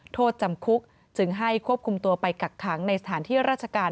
โทษจำคุกจึงให้ควบคุมตัวไปกักขังในสถานที่ราชการ